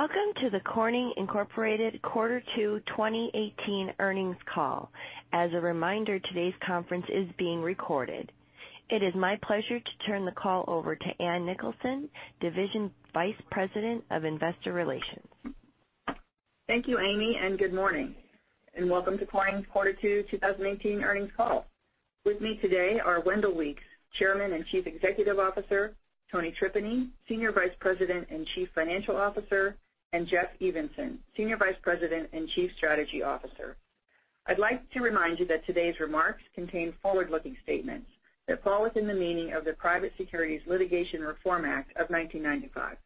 Welcome to the Corning Incorporated Quarter 2 2018 earnings call. As a reminder, today's conference is being recorded. It is my pleasure to turn the call over to Ann Nicholson, Division Vice President of Investor Relations. Thank you, Ann, good morning, welcome to Corning's Quarter 2 2018 earnings call. With me today are Wendell Weeks, Chairman and Chief Executive Officer, Tony Tripeny, Senior Vice President and Chief Financial Officer, Jeff Evenson, Senior Vice President and Chief Strategy Officer. I'd like to remind you that today's remarks contain forward-looking statements that fall within the meaning of the Private Securities Litigation Reform Act of 1995.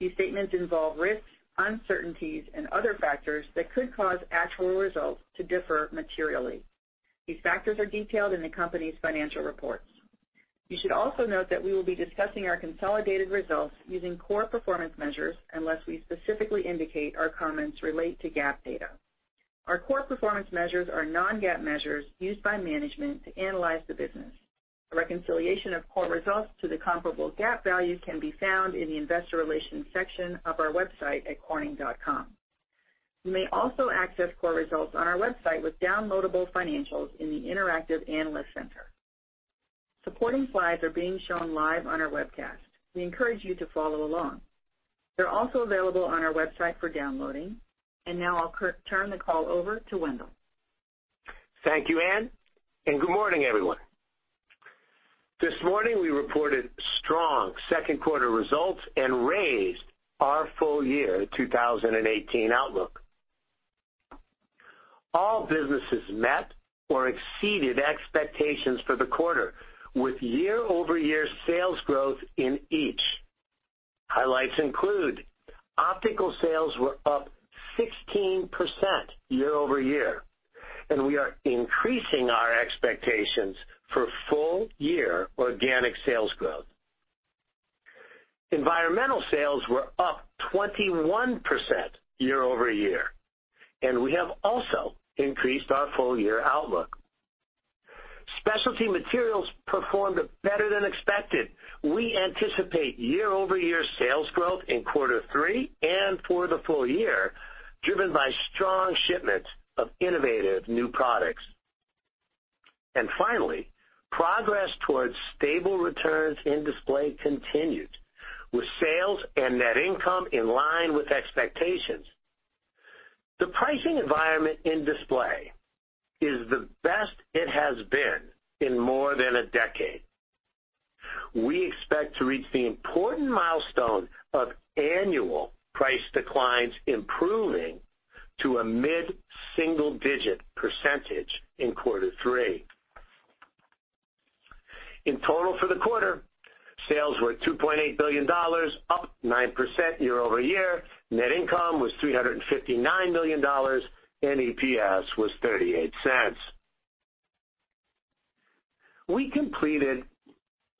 These statements involve risks, uncertainties, other factors that could cause actual results to differ materially. These factors are detailed in the company's financial reports. You should also note that we will be discussing our consolidated results using core performance measures, unless we specifically indicate our comments relate to GAAP data. Our core performance measures are non-GAAP measures used by management to analyze the business. A reconciliation of core results to the comparable GAAP values can be found in the investor relations section of our website at corning.com. You may also access core results on our website with downloadable financials in the Interactive Analyst Center. Supporting slides are being shown live on our webcast. We encourage you to follow along. They're also available on our website for downloading. Now I'll turn the call over to Wendell. Thank you, Ann, good morning, everyone. This morning, we reported strong second quarter results, raised our full year 2018 outlook. All businesses met or exceeded expectations for the quarter, with year-over-year sales growth in each. Highlights include Optical sales were up 16% year-over-year, we are increasing our expectations for full-year organic sales growth. Environmental sales were up 21% year-over-year, we have also increased our full-year outlook. Specialty Materials performed better than expected. We anticipate year-over-year sales growth in quarter three and for the full year, driven by strong shipments of innovative new products. Finally, progress towards stable returns in Display continued, with sales and net income in line with expectations. The pricing environment in Display is the best it has been in more than a decade. We expect to reach the important milestone of annual price declines improving to a mid-single-digit percentage in quarter three. In total for the quarter, sales were $2.8 billion, up 9% year-over-year. Net income was $359 million, and EPS was $0.38. We completed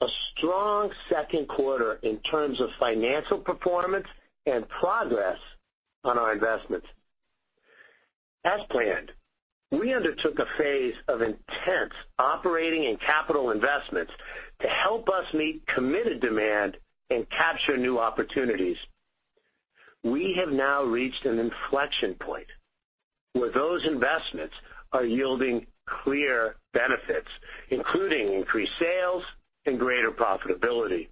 a strong second quarter in terms of financial performance and progress on our investments. As planned, we undertook a phase of intense operating and capital investments to help us meet committed demand and capture new opportunities. We have now reached an inflection point where those investments are yielding clear benefits, including increased sales and greater profitability.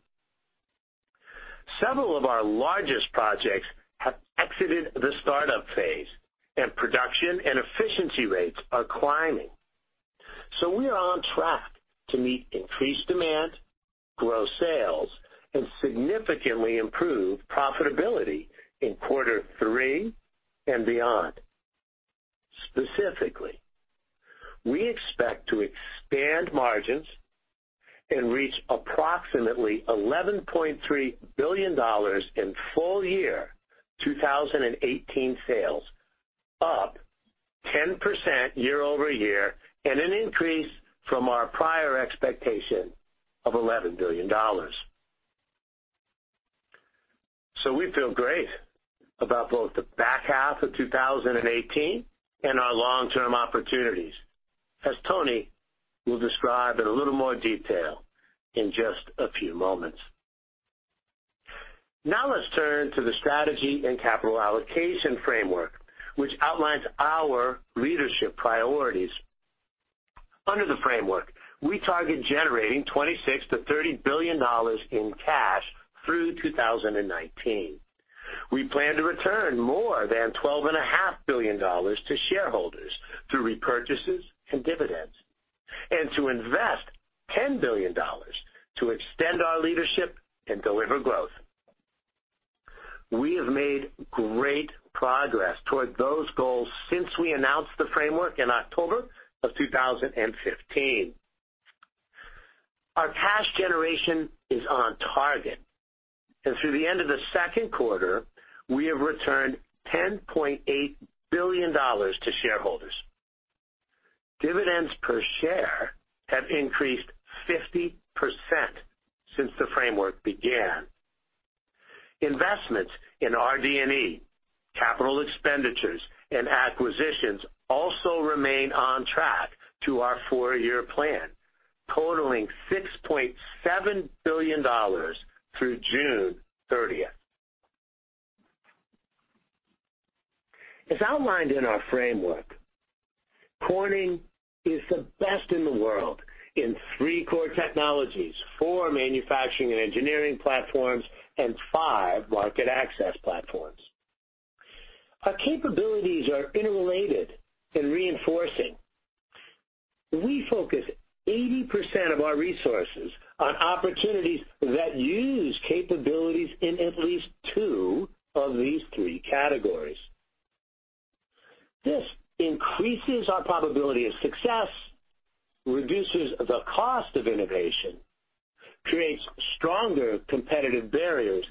Several of our largest projects have exited the startup phase, and production and efficiency rates are climbing. We are on track to meet increased demand, grow sales, and significantly improve profitability in quarter three and beyond. Specifically, we expect to expand margins and reach approximately $11.3 billion in full-year 2018 sales, up 10% year-over-year, and an increase from our prior expectation of $11 billion. We feel great about both the back half of 2018 and our long-term opportunities, as Tony will describe in a little more detail in just a few moments. Let's turn to the strategy and capital allocation framework, which outlines our leadership priorities. Under the framework, we target generating $26 billion-$30 billion in cash through 2019. We plan to return more than $12.5 billion to shareholders through repurchases and dividends and to invest $10 billion to extend our leadership and deliver growth. We have made great progress toward those goals since we announced the framework in October of 2015. Our cash generation is on target, and through the end of the second quarter, we have returned $10.8 billion to shareholders. Dividends per share have increased 50% since the framework began. Investments in RD&E Capital expenditures and acquisitions also remain on track to our four-year plan, totaling $6.7 billion through June 30th. As outlined in our framework, Corning is the best in the world in three core technologies, four manufacturing and engineering platforms, and five market access platforms. Our capabilities are interrelated and reinforcing. We focus 80% of our resources on opportunities that use capabilities in at least two of these three categories. This increases our probability of success, reduces the cost of innovation, creates stronger competitive barriers,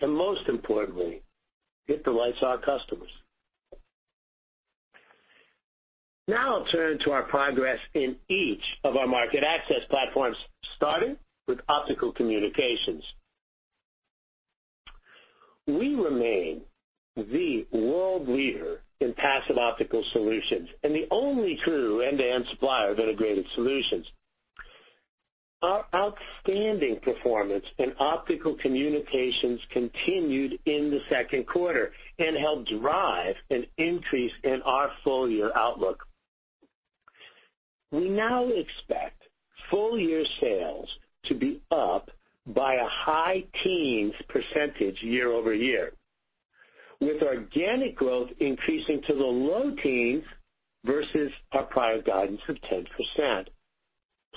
and most importantly, delights our customers. I'll turn to our progress in each of our market access platforms, starting with Optical Communications. We remain the world leader in passive optical solutions and the only true end-to-end supplier of integrated solutions. Our outstanding performance in Optical Communications continued in the second quarter and helped drive an increase in our full-year outlook. We expect full-year sales to be up by a high teens % year-over-year, with organic growth increasing to the low teens versus our prior guidance of 10%,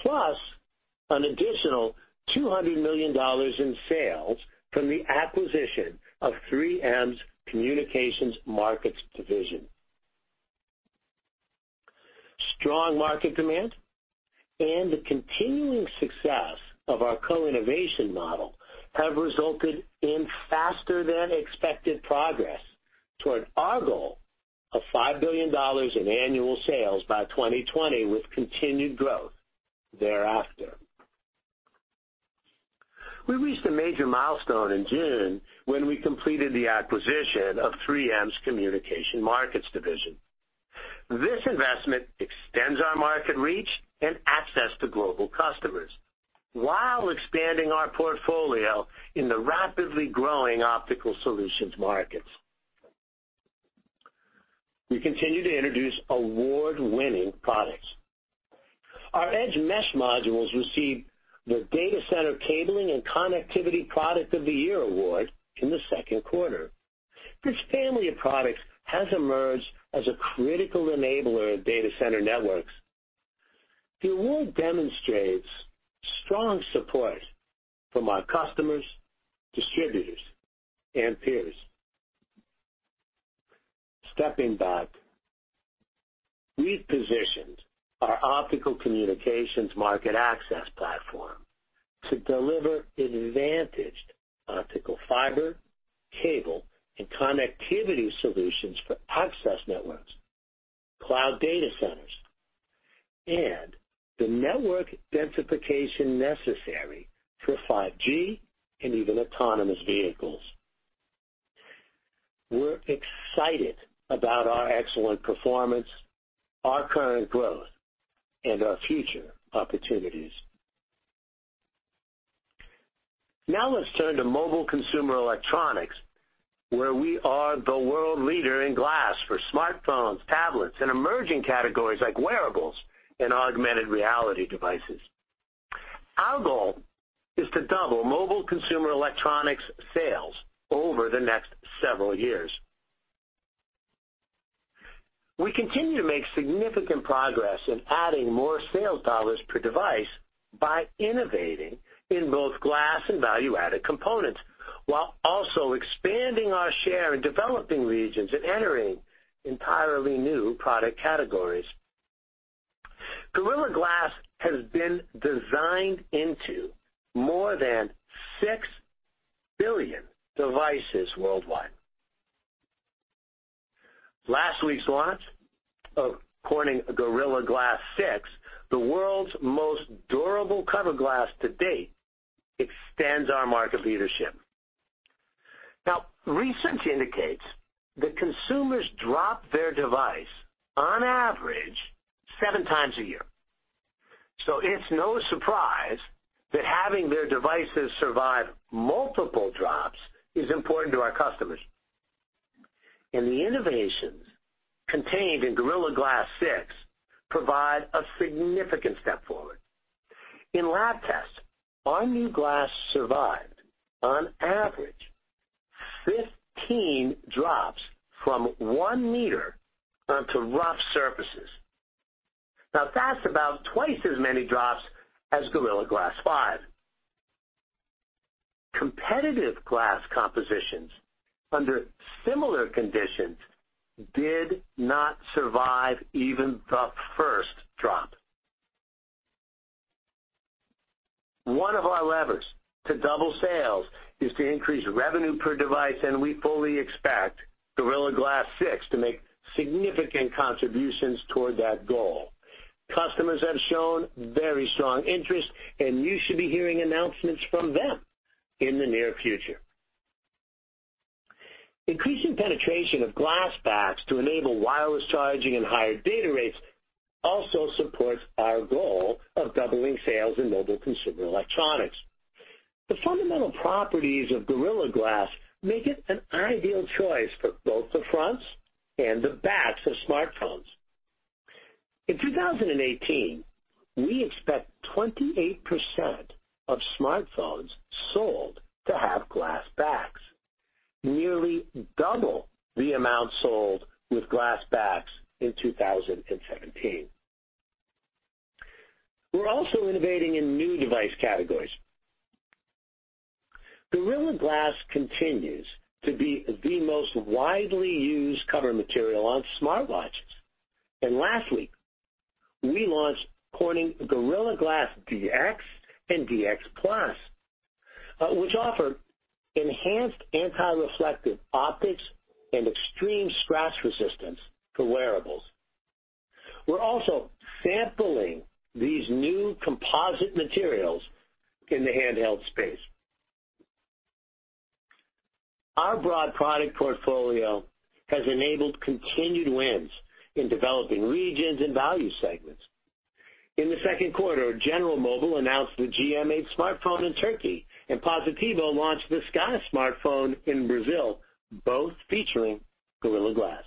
plus an additional $200 million in sales from the acquisition of 3M's Communication Markets Division. Strong market demand and the continuing success of our co-innovation model have resulted in faster than expected progress toward our goal of $5 billion in annual sales by 2020, with continued growth thereafter. We reached a major milestone in June when we completed the acquisition of 3M's Communication Markets Division. This investment extends our market reach and access to global customers while expanding our portfolio in the rapidly growing optical solutions markets. We continue to introduce award-winning products. Our EDGE Mesh Modules received the Data Center Cabling & Connectivity Product of the Year Award in the second quarter. This family of products has emerged as a critical enabler of data center networks. The award demonstrates strong support from our customers, distributors, and peers. Stepping back, we've positioned our Optical Communications market access platform to deliver advantaged optical fiber, cable, and connectivity solutions for access networks, cloud data centers, and the network densification necessary for 5G and even autonomous vehicles. We're excited about our excellent performance, our current growth, and our future opportunities. Let's turn to mobile consumer electronics, where we are the world leader in glass for smartphones, tablets, and emerging categories like wearables and augmented reality devices. Our goal is to double mobile consumer electronics sales over the next several years. We continue to make significant progress in adding more sales dollars per device by innovating in both glass and value-added components, while also expanding our share in developing regions and entering entirely new product categories. Gorilla Glass has been designed into more than 6 billion devices worldwide. Last week's launch of Corning Gorilla Glass 6, the world's most durable cover glass to date, extends our market leadership. Research indicates that consumers drop their device on average seven times a year. It's no surprise that having their devices survive multiple drops is important to our customers, and the innovations contained in Gorilla Glass 6 provide a significant step forward. In lab tests, our new glass survived on average 15 drops from one meter onto rough surfaces. That's about twice as many drops as Gorilla Glass 5. Competitive glass compositions under similar conditions did not survive even the first drop. One of our levers to double sales is to increase revenue per device, and we fully expect Gorilla Glass 6 to make significant contributions toward that goal. Customers have shown very strong interest, you should be hearing announcements from them in the near future. Increasing penetration of glass backs to enable wireless charging and higher data rates also supports our goal of doubling sales in mobile consumer electronics. The fundamental properties of Gorilla Glass make it an ideal choice for both the fronts and the backs of smartphones. In 2018, we expect 28% of smartphones sold to have glass backs, nearly double the amount sold with glass backs in 2017. We're also innovating in new device categories. Gorilla Glass continues to be the most widely used cover material on smartwatches. Last week, we launched Corning Gorilla Glass DX and DX+, which offer enhanced anti-reflective optics and extreme scratch resistance for wearables. We're also sampling these new composite materials in the handheld space. Our broad product portfolio has enabled continued wins in developing regions and value segments. In the second quarter, General Mobile announced the GM 8 smartphone in Turkey, and Positivo launched the Ska smartphone in Brazil, both featuring Gorilla Glass.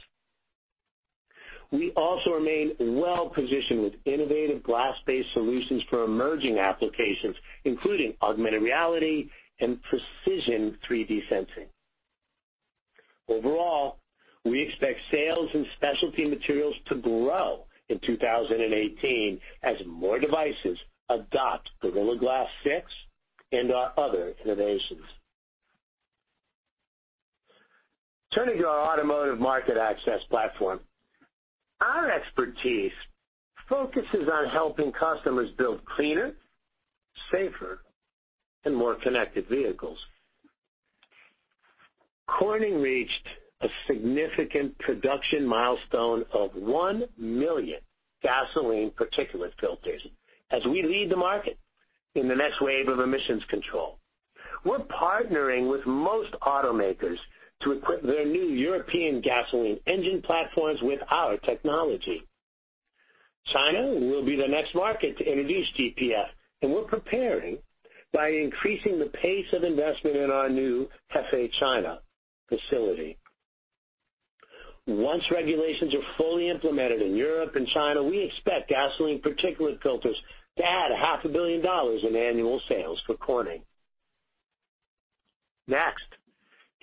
We also remain well-positioned with innovative glass-based solutions for emerging applications, including augmented reality and precision 3D sensing. Overall, we expect sales in Specialty Materials to grow in 2018 as more devices adopt Gorilla Glass 6 and our other innovations. Turning to our automotive market access platform. Our expertise focuses on helping customers build cleaner, safer, and more connected vehicles. Corning reached a significant production milestone of 1 million gasoline particulate filters as we lead the market in the next wave of emissions control. We're partnering with most automakers to equip their new European gasoline engine platforms with our technology. China will be the next market to introduce GPF, and we're preparing by increasing the pace of investment in our new Hefei China facility. Once regulations are fully implemented in Europe and China, we expect gasoline particulate filters to add a half a billion dollars in annual sales for Corning.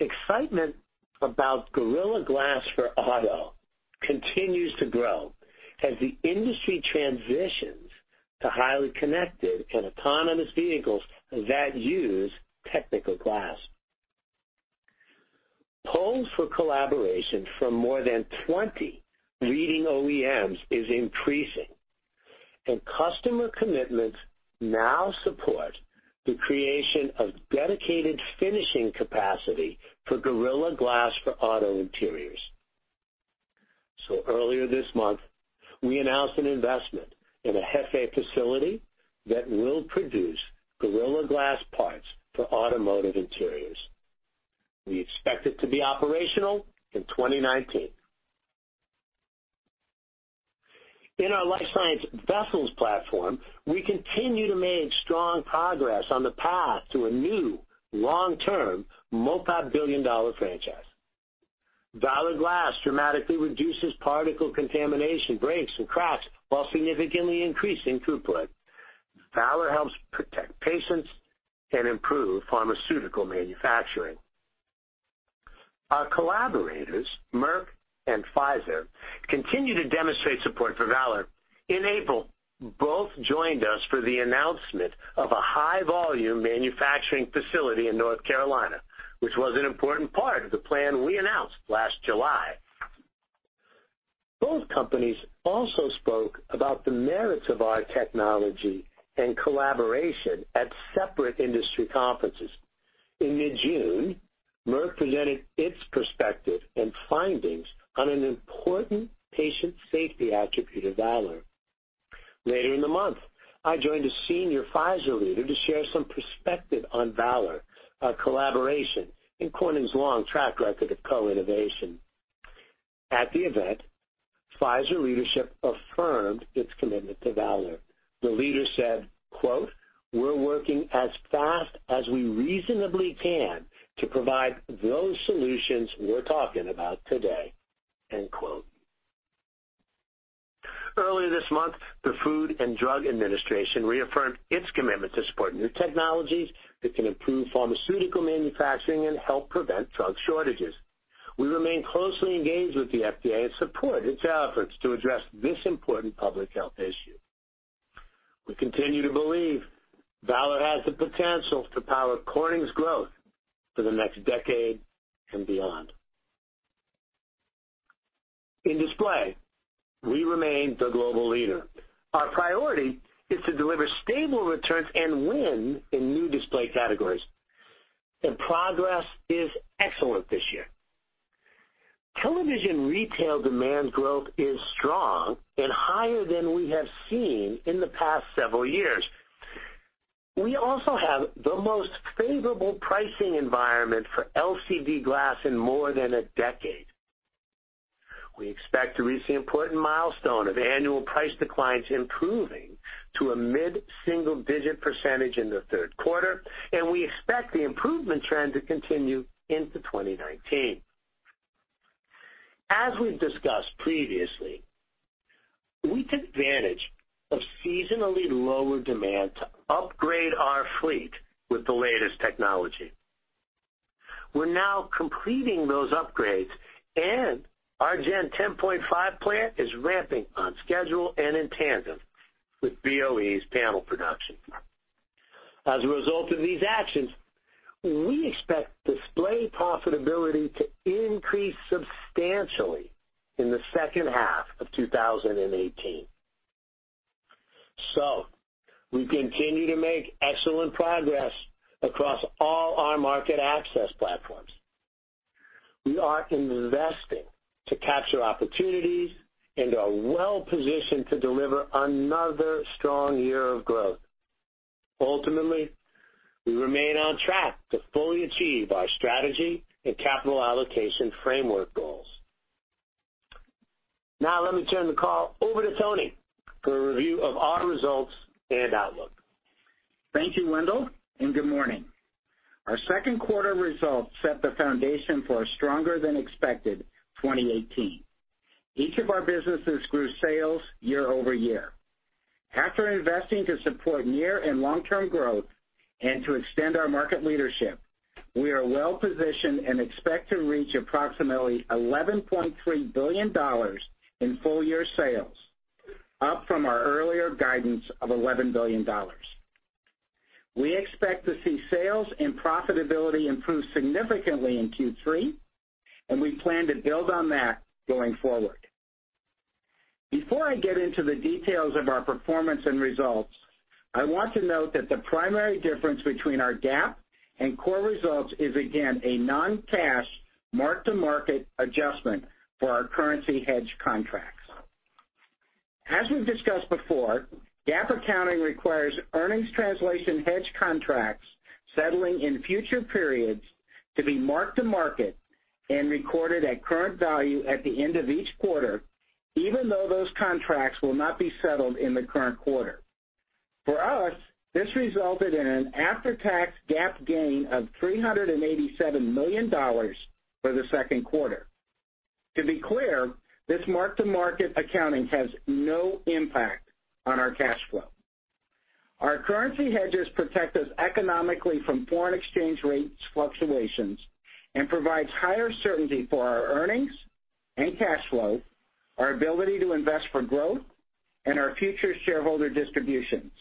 Excitement about Gorilla Glass for Auto continues to grow as the industry transitions to highly connected and autonomous vehicles that use technical glass. Calls for collaboration from more than 20 leading OEMs is increasing, and customer commitments now support the creation of dedicated finishing capacity for Gorilla Glass for Auto interiors. Earlier this month, we announced an investment in a Hefei facility that will produce Gorilla Glass parts for automotive interiors. We expect it to be operational in 2019. In our life science vessels platform, we continue to make strong progress on the path to a new long-term multibillion-dollar franchise. Valor Glass dramatically reduces particle contamination, breaks, and cracks while significantly increasing throughput. Valor helps protect patients and improve pharmaceutical manufacturing. Our collaborators, Merck and Pfizer, continue to demonstrate support for Valor. In April, both joined us for the announcement of a high-volume manufacturing facility in North Carolina, which was an important part of the plan we announced last July. Both companies also spoke about the merits of our technology and collaboration at separate industry conferences. In mid-June, Merck presented its perspective and findings on an important patient safety attribute of Valor. Later in the month, I joined a senior Pfizer leader to share some perspective on Valor, our collaboration, and Corning's long track record of co-innovation. At the event, Pfizer leadership affirmed its commitment to Valor. The leader said, quote, "We're working as fast as we reasonably can to provide those solutions we're talking about today," end quote. Earlier this month, the Food and Drug Administration reaffirmed its commitment to support new technologies that can improve pharmaceutical manufacturing and help prevent drug shortages. We remain closely engaged with the FDA and support its efforts to address this important public health issue. We continue to believe Valor has the potential to power Corning's growth for the next decade and beyond. In display, we remain the global leader. Our priority is to deliver stable returns and win in new display categories. Progress is excellent this year. Television retail demand growth is strong and higher than we have seen in the past several years. We also have the most favorable pricing environment for LCD glass in more than a decade. We expect to reach the important milestone of annual price declines improving to a mid-single-digit percentage in the third quarter, and we expect the improvement trend to continue into 2019. As we've discussed previously, we took advantage of seasonally lower demand to upgrade our fleet with the latest technology. We're now completing those upgrades, and our Gen 10.5 plant is ramping on schedule and in tandem with BOE's panel production. As a result of these actions, we expect display profitability to increase substantially in the second half of 2018. We continue to make excellent progress across all our market access platforms. We are investing to capture opportunities and are well-positioned to deliver another strong year of growth. Ultimately, we remain on track to fully achieve our strategy and capital allocation framework goals. Now let me turn the call over to Tony for a review of our results and outlook. Thank you, Wendell, and good morning. Our second quarter results set the foundation for a stronger-than-expected 2018. Each of our businesses grew sales year-over-year. After investing to support near and long-term growth and to extend our market leadership, we are well-positioned and expect to reach approximately $11.3 billion in full-year sales, up from our earlier guidance of $11 billion. We expect to see sales and profitability improve significantly in Q3, and we plan to build on that going forward. Before I get into the details of our performance and results, I want to note that the primary difference between our GAAP and core results is again a non-cash, mark-to-market adjustment for our currency hedge contracts. As we've discussed before, GAAP accounting requires earnings translation hedge contracts settling in future periods to be mark-to-market and recorded at current value at the end of each quarter, even though those contracts will not be settled in the current quarter. For us, this resulted in an after-tax GAAP gain of $387 million for the second quarter. To be clear, this mark-to-market accounting has no impact on our cash flow. Our currency hedges protect us economically from foreign exchange rates fluctuations and provides higher certainty for our earnings and cash flow, our ability to invest for growth, and our future shareholder distributions.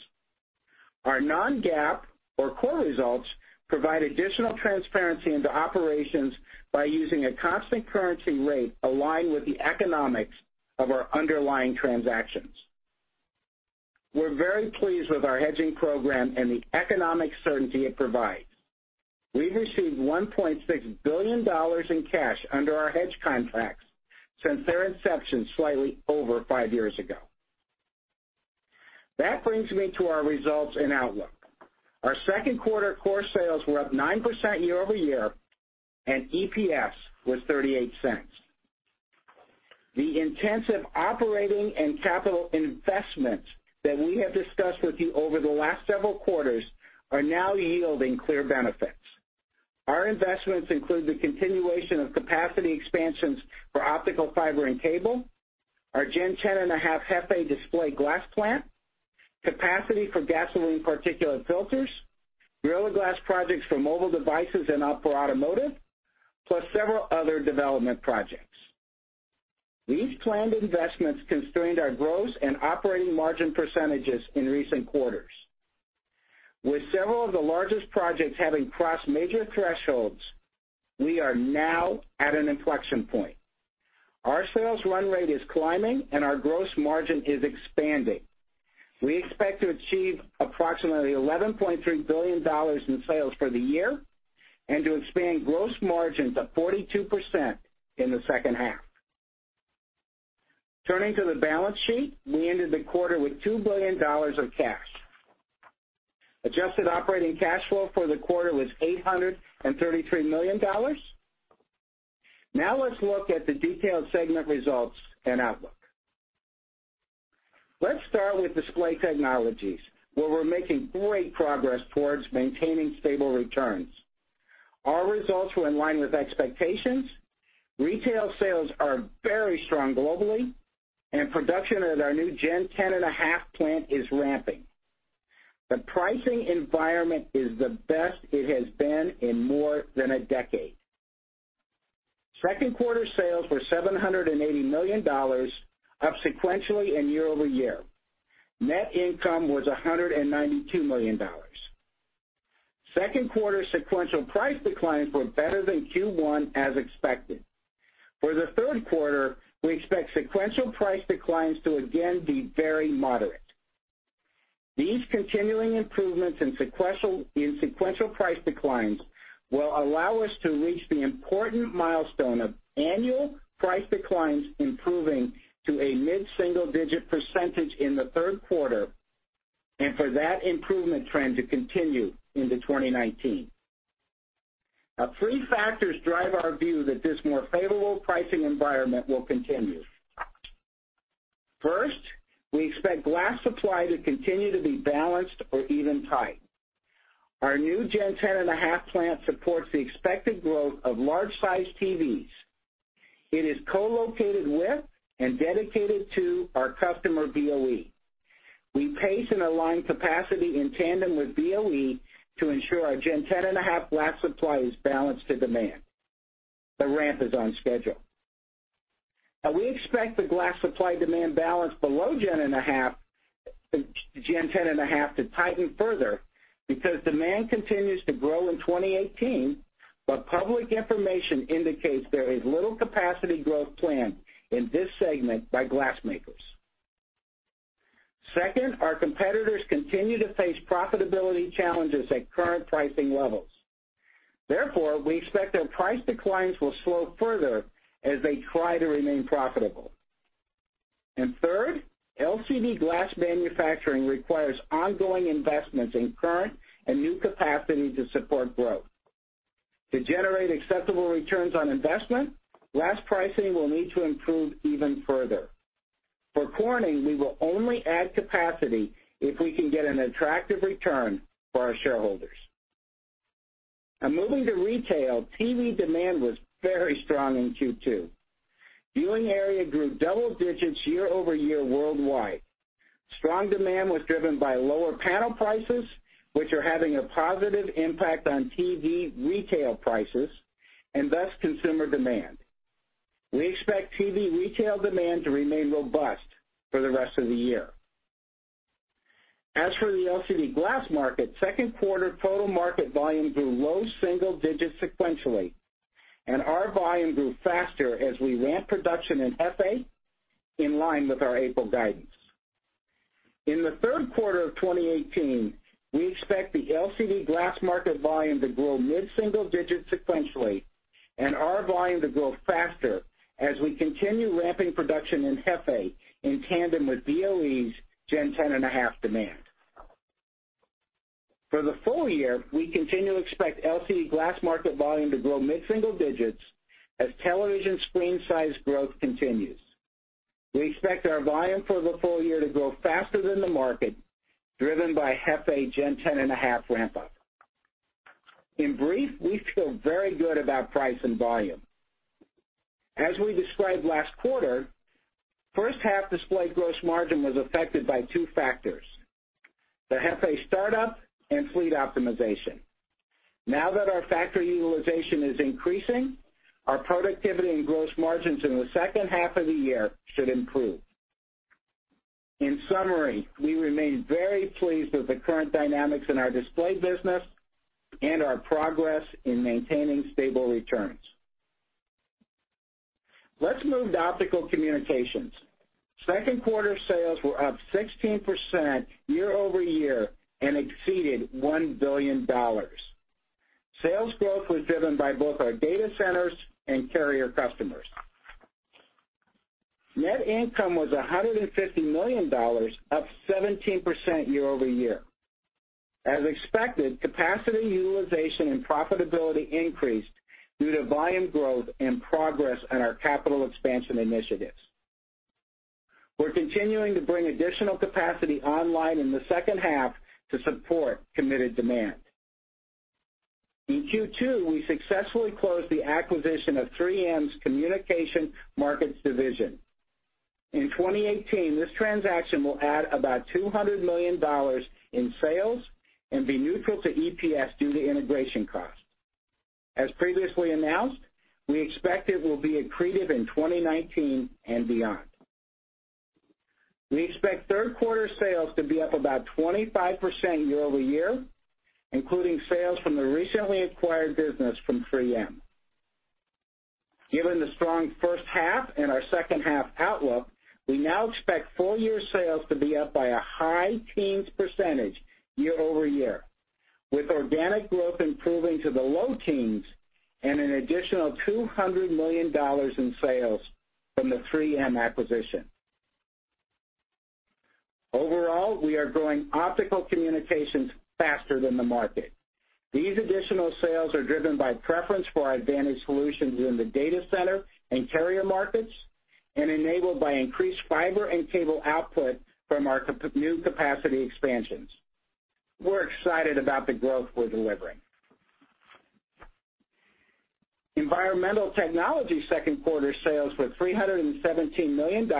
Our non-GAAP, or core results, provide additional transparency into operations by using a constant currency rate aligned with the economics of our underlying transactions. We're very pleased with our hedging program and the economic certainty it provides. We've received $1.6 billion in cash under our hedge contracts since their inception slightly over five years ago. That brings me to our results and outlook. Our second quarter core sales were up 9% year-over-year, and EPS was $0.38. The intensive operating and capital investments that we have discussed with you over the last several quarters are now yielding clear benefits. Our investments include the continuation of capacity expansions for optical fiber and cable, our Gen 10.5 Hefei display glass plant, capacity for gasoline particulate filters, Gorilla Glass projects for mobile devices and upper automotive, plus several other development projects. These planned investments constrained our gross and operating margin percentages in recent quarters. With several of the largest projects having crossed major thresholds, we are now at an inflection point. Our sales run rate is climbing, and our gross margin is expanding. We expect to achieve approximately $11.3 billion in sales for the year and to expand gross margin to 42% in the second half. Turning to the balance sheet, we ended the quarter with $2 billion of cash. Adjusted operating cash flow for the quarter was $833 million. Now let's look at the detailed segment results and outlook. Let's start with Display Technologies, where we're making great progress towards maintaining stable returns. Our results were in line with expectations. Retail sales are very strong globally, and production at our new Gen 10.5 plant is ramping. The pricing environment is the best it has been in more than a decade. Second quarter sales were $780 million, up sequentially and year-over-year. Net income was $192 million. Second quarter sequential price declines were better than Q1, as expected. For the third quarter, we expect sequential price declines to again be very moderate. These continuing improvements in sequential price declines will allow us to reach the important milestone of annual price declines improving to a mid-single-digit % in the third quarter, and for that improvement trend to continue into 2019. Three factors drive our view that this more favorable pricing environment will continue. First, we expect glass supply to continue to be balanced or even tight. Our new Gen 10.5 plant supports the expected growth of large-sized TVs. It is co-located with and dedicated to our customer, BOE. We pace and align capacity in tandem with BOE to ensure our Gen 10.5 glass supply is balanced to demand. The ramp is on schedule. We expect the glass supply demand balance below Gen 10.5 to tighten further because demand continues to grow in 2018, but public information indicates there is little capacity growth planned in this segment by glass makers. Second, our competitors continue to face profitability challenges at current pricing levels. Therefore, we expect their price declines will slow further as they try to remain profitable. Third, LCD glass manufacturing requires ongoing investments in current and new capacity to support growth. To generate acceptable returns on investment, glass pricing will need to improve even further. For Corning, we will only add capacity if we can get an attractive return for our shareholders. Moving to retail, TV demand was very strong in Q2. Viewing area grew double digits year-over-year worldwide. Strong demand was driven by lower panel prices, which are having a positive impact on TV retail prices and thus consumer demand. We expect TV retail demand to remain robust for the rest of the year. As for the LCD glass market, second quarter total market volume grew low single digits sequentially, and our volume grew faster as we ramped production in Hefei, in line with our April guidance. In the third quarter of 2018, we expect the LCD glass market volume to grow mid-single digits sequentially and our volume to grow faster as we continue ramping production in Hefei in tandem with BOE's Gen 10.5 demand. For the full year, we continue to expect LCD glass market volume to grow mid-single digits as television screen size growth continues. We expect our volume for the full year to grow faster than the market, driven by Hefei Gen 10.5 ramp-up. In brief, we feel very good about price and volume. As we described last quarter, first half display gross margin was affected by two factors, the Hefei startup and fleet optimization. That our factory utilization is increasing, our productivity and gross margins in the second half of the year should improve. In summary, we remain very pleased with the current dynamics in our display business and our progress in maintaining stable returns. Let's move to Optical Communications. Second quarter sales were up 16% year-over-year and exceeded $1 billion. Sales growth was driven by both our data centers and carrier customers. Net income was $150 million, up 17% year-over-year. As expected, capacity utilization and profitability increased due to volume growth and progress on our capital expansion initiatives. We're continuing to bring additional capacity online in the second half to support committed demand. In Q2, we successfully closed the acquisition of 3M's Communication Markets Division. In 2018, this transaction will add about $200 million in sales and be neutral to EPS due to integration costs. As previously announced, we expect it will be accretive in 2019 and beyond. We expect third quarter sales to be up about 25% year-over-year, including sales from the recently acquired business from 3M. Given the strong first half and our second half outlook, we now expect full year sales to be up by a high teens percentage year-over-year, with organic growth improving to the low teens and an additional $200 million in sales from the 3M acquisition. Overall, we are growing Optical Communications faster than the market. These additional sales are driven by preference for our advantage solutions in the data center and carrier markets and enabled by increased fiber and cable output from our new capacity expansions. We're excited about the growth we're delivering. Environmental Technologies second quarter sales were $317 million,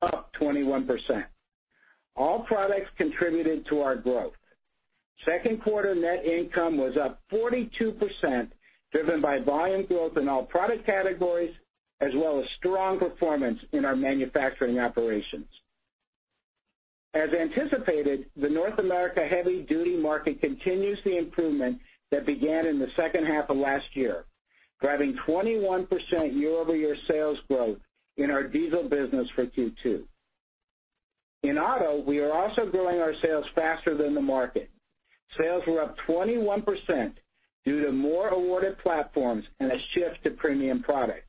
up 21%. All products contributed to our growth. Second quarter net income was up 42%, driven by volume growth in all product categories, as well as strong performance in our manufacturing operations. As anticipated, the North America heavy-duty market continues the improvement that began in the second half of last year, driving 21% year-over-year sales growth in our diesel business for Q2. In auto, we are also growing our sales faster than the market. Sales were up 21% due to more awarded platforms and a shift to premium products.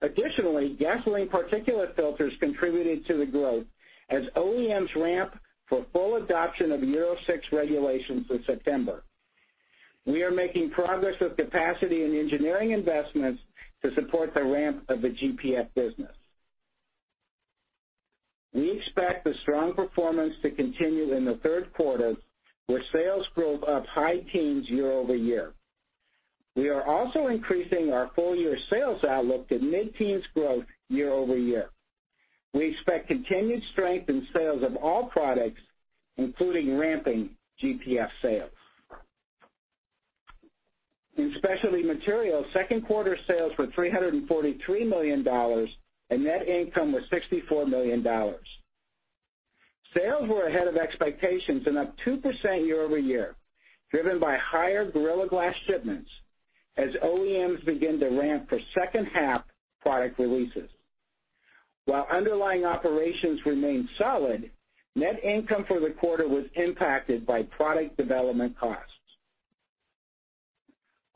Additionally, gasoline particulate filters contributed to the growth as OEMs ramp for full adoption of Euro 6 regulations in September. We are making progress with capacity and engineering investments to support the ramp of the GPF business. We expect the strong performance to continue in the third quarter, with sales growth of high teens year-over-year. We are also increasing our full-year sales outlook to mid-teens growth year-over-year. We expect continued strength in sales of all products, including ramping GPF sales. In Specialty Materials, second quarter sales were $343 million, and net income was $64 million. Sales were ahead of expectations and up 2% year-over-year, driven by higher Gorilla Glass shipments as OEMs begin to ramp for second half product releases. While underlying operations remained solid, net income for the quarter was impacted by product development costs.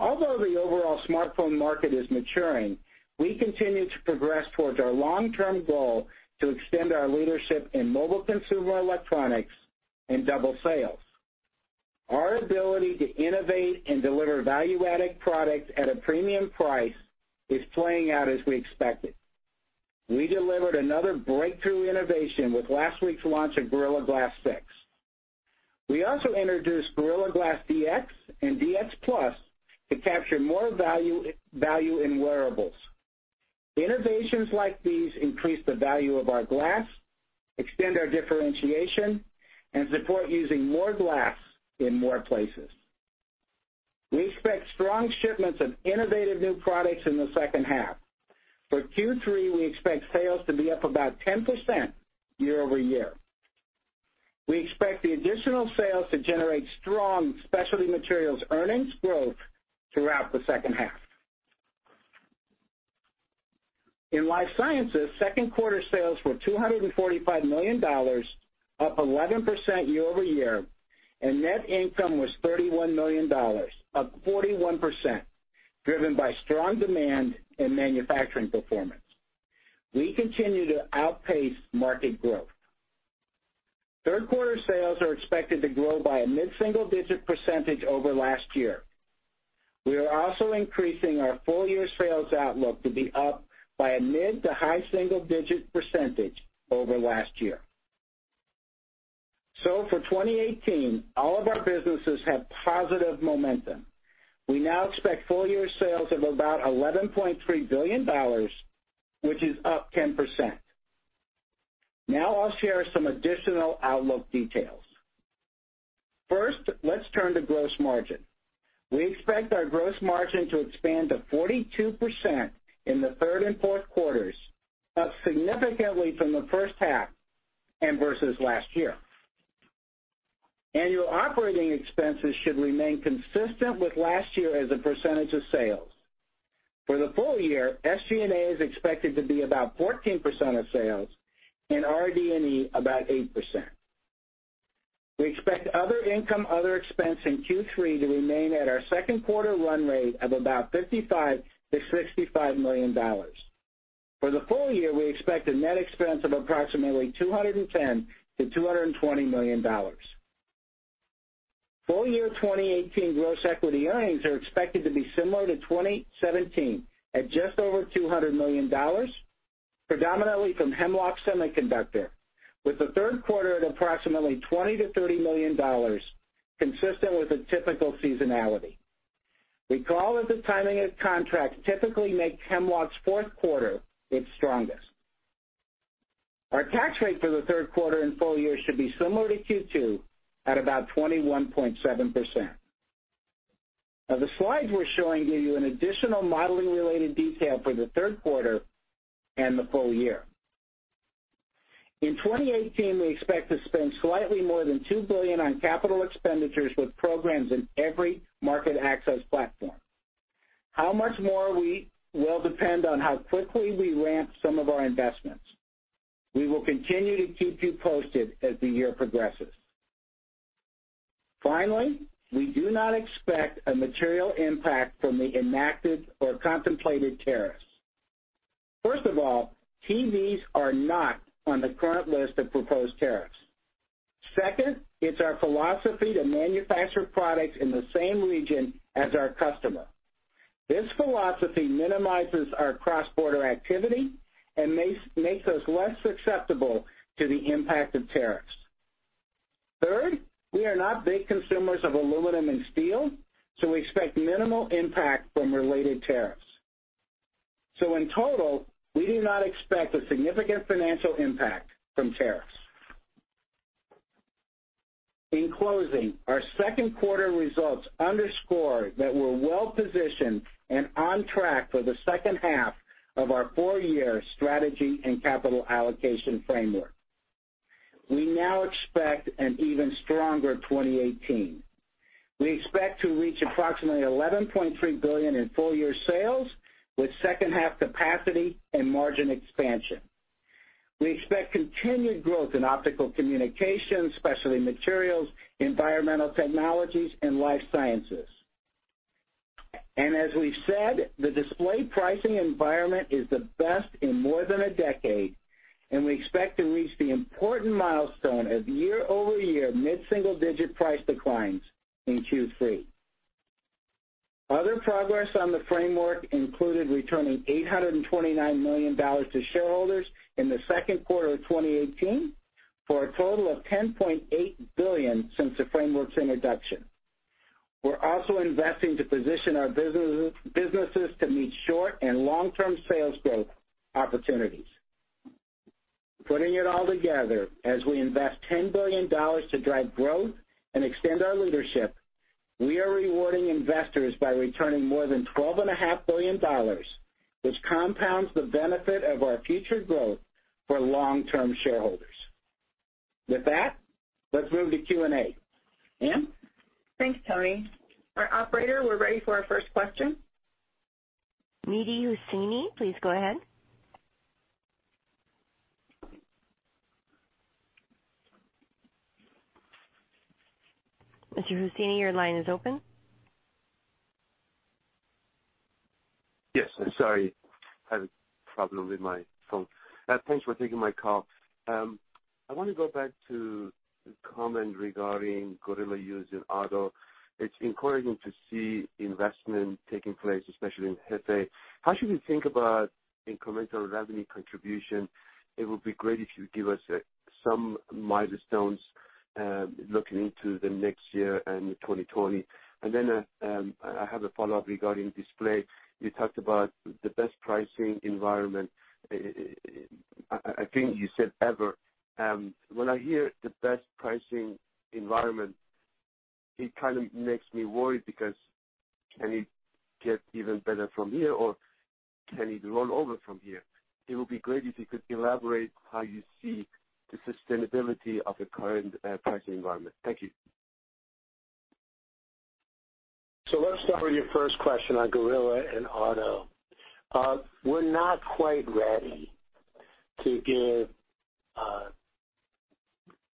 Although the overall smartphone market is maturing, we continue to progress towards our long-term goal to extend our leadership in mobile consumer electronics and double sales. Our ability to innovate and deliver value-added products at a premium price is playing out as we expected. We delivered another breakthrough innovation with last week's launch of Gorilla Glass 6. We also introduced Gorilla Glass DX and DX+ to capture more value in wearables. Innovations like these increase the value of our glass, extend our differentiation, and support using more glass in more places. We expect strong shipments of innovative new products in the second half. For Q3, we expect sales to be up about 10% year-over-year. We expect the additional sales to generate strong specialty materials earnings growth throughout the second half. In Life Sciences, second quarter sales were $245 million, up 11% year-over-year, and net income was $31 million, up 41%, driven by strong demand in manufacturing performance. We continue to outpace market growth. Third quarter sales are expected to grow by a mid-single digit percentage over last year. We are also increasing our full year's sales outlook to be up by a mid to high single digit percentage over last year. For 2018, all of our businesses have positive momentum. We now expect full-year sales of about $11.3 billion, which is up 10%. I'll share some additional outlook details. First, let's turn to gross margin. We expect our gross margin to expand to 42% in the third and fourth quarters, up significantly from the first half and versus last year. Annual operating expenses should remain consistent with last year as a percentage of sales. For the full year, SG&A is expected to be about 14% of sales, and RD&E about 8%. We expect other income, other expense in Q3 to remain at our second quarter run rate of about $55 million-$65 million. For the full year, we expect a net expense of approximately $210 million-$220 million. Full year 2018 gross equity earnings are expected to be similar to 2017 at just over $200 million, predominantly from Hemlock Semiconductor, with the third quarter at approximately $20 million-$30 million, consistent with the typical seasonality. Recall that the timing of contracts typically make Hemlock's fourth quarter its strongest. Our tax rate for the third quarter and full year should be similar to Q2 at about 21.7%. The slides we're showing give you an additional modeling-related detail for the third quarter and the full year. In 2018, we expect to spend slightly more than $2 billion on capital expenditures with programs in every market access platform. How much more will depend on how quickly we ramp some of our investments. We will continue to keep you posted as the year progresses. Finally, we do not expect a material impact from the enacted or contemplated tariffs. First of all, TVs are not on the current list of proposed tariffs. Second, it's our philosophy to manufacture products in the same region as our customer. This philosophy minimizes our cross-border activity and makes us less susceptible to the impact of tariffs. Third, we are not big consumers of aluminum and steel, so we expect minimal impact from related tariffs. In total, we do not expect a significant financial impact from tariffs. In closing, our second quarter results underscore that we're well-positioned and on track for the second half of our four-year strategy and capital allocation framework. We now expect an even stronger 2018. We expect to reach approximately $11.3 billion in full-year sales, with second half capacity and margin expansion. We expect continued growth in Optical Communications, Specialty Materials, Environmental Technologies, and Life Sciences. As we've said, the display pricing environment is the best in more than a decade, and we expect to reach the important milestone of year-over-year mid-single-digit price declines in Q3. Other progress on the framework included returning $829 million to shareholders in the second quarter of 2018, for a total of $10.8 billion since the framework's introduction. We're also investing to position our businesses to meet short and long-term sales growth opportunities. Putting it all together, as we invest $10 billion to drive growth and extend our leadership, we are rewarding investors by returning more than $12.5 billion, which compounds the benefit of our future growth for long-term shareholders. With that, let's move to Q&A. Ann? Thanks, Tony. Our operator, we're ready for our first question. Mehdi Hosseini, please go ahead. Mr. Hosseini, your line is open. Yes. Sorry, I have a problem with my phone. Thanks for taking my call. I want to go back to the comment regarding Gorilla use in auto. It's encouraging to see investment taking place, especially in Hefei. How should we think about incremental revenue contribution? It would be great if you could give us some milestones, looking into the next year and 2020. I have a follow-up regarding display. You talked about the best pricing environment, I think you said ever. When I hear the best pricing environment, it kind of makes me worried because can it get even better from here, or can it roll over from here? It would be great if you could elaborate how you see the sustainability of the current pricing environment. Thank you. Let's start with your first question on Gorilla and auto. We're not quite ready to give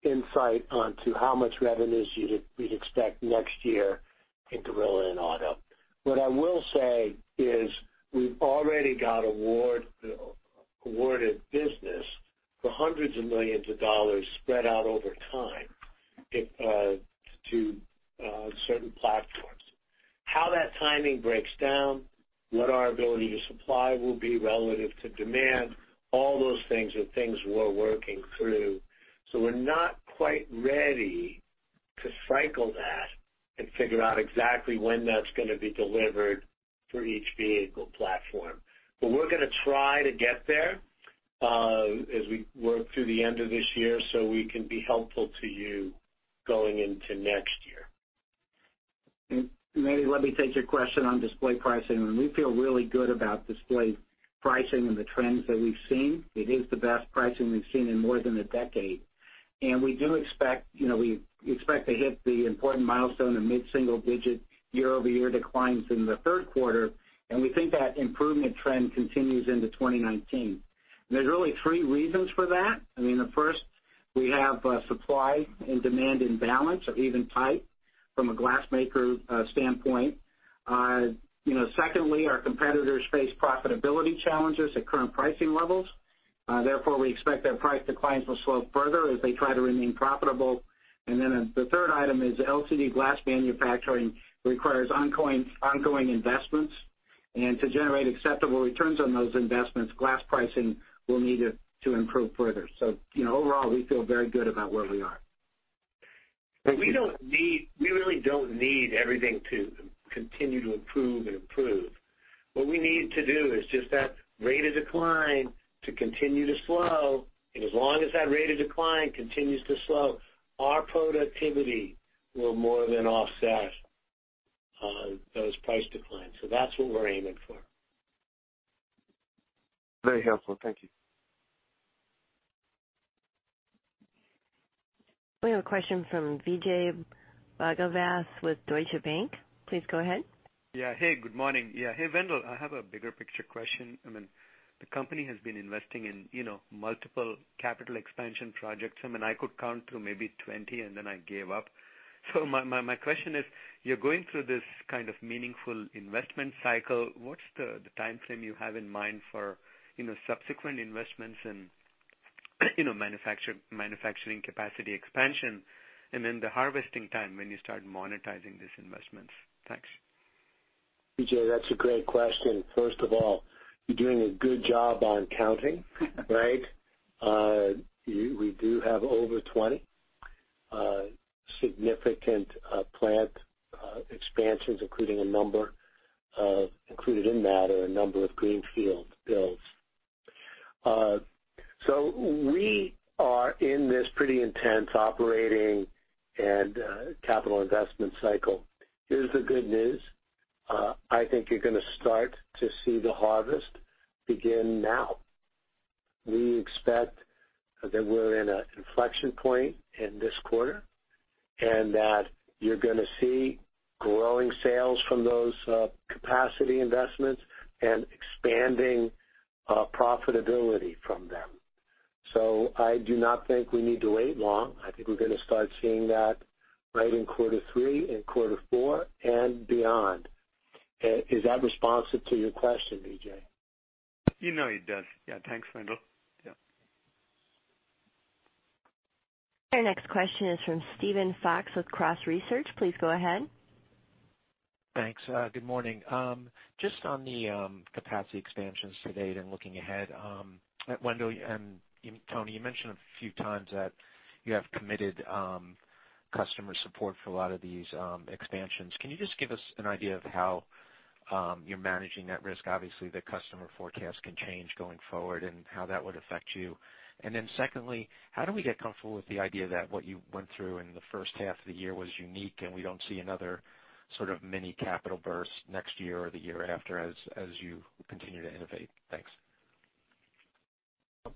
insight onto how much revenues we'd expect next year in Gorilla and auto. What I will say is we've already got awarded business for hundreds of millions of dollars spread out over time to certain platforms. How that timing breaks down, what our ability to supply will be relative to demand, all those things are things we're working through. We're not quite ready to cycle that and figure out exactly when that's going to be delivered for each vehicle platform. We're going to try to get there as we work through the end of this year, so we can be helpful to you going into next year. Mehdi, let me take your question on display pricing. We feel really good about display pricing and the trends that we've seen. It is the best pricing we've seen in more than a decade, we expect to hit the important milestone of mid-single digit year-over-year declines in the third quarter, we think that improvement trend continues into 2019. There's really three reasons for that. The first, we have supply and demand in balance or even tight from a glass maker standpoint. Secondly, our competitors face profitability challenges at current pricing levels. Therefore, we expect their price declines will slow further as they try to remain profitable. The third item is LCD glass manufacturing requires ongoing investments. To generate acceptable returns on those investments, glass pricing will need to improve further. Overall, we feel very good about where we are. We really don't need everything to continue to improve and improve. What we need to do is just that rate of decline to continue to slow, and as long as that rate of decline continues to slow, our productivity will more than offset those price declines. That's what we're aiming for. Very helpful. Thank you. We have a question from Vijay Bhagavath with Deutsche Bank. Please go ahead. Hey, good morning. Hey, Wendell, I have a bigger picture question. The company has been investing in multiple capital expansion projects. I could count to maybe 20, and then I gave up. My question is: You're going through this kind of meaningful investment cycle. What's the timeframe you have in mind for subsequent investments in manufacturing capacity expansion, and then the harvesting time when you start monetizing these investments? Thanks. Vijay, that's a great question. First of all, you're doing a good job on counting, right? We do have over 20 significant plant expansions, including a number included in that or a number of greenfield builds. We are in this pretty intense operating and capital investment cycle. Here's the good news. I think you're going to start to see the harvest begin now. We expect that we're in an inflection point in this quarter That you're going to see growing sales from those capacity investments and expanding profitability from them. I do not think we need to wait long. I think we're going to start seeing that right in quarter three and quarter four and beyond. Is that responsive to your question, Vijay? You know it does. Yeah, thanks, Wendell. Yeah. Our next question is from Steven Fox with Cross Research. Please go ahead. Thanks. Good morning. Just on the capacity expansions to date and looking ahead, Wendell and Tony, you mentioned a few times that you have committed customer support for a lot of these expansions. Can you just give us an idea of how you're managing that risk? Obviously, the customer forecast can change going forward and how that would affect you. Secondly, how do we get comfortable with the idea that what you went through in the first half of the year was unique, and we don't see another sort of mini capital burst next year or the year after as you continue to innovate? Thanks.